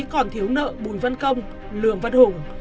còn thiếu nợ bùn văn công lường văn hùng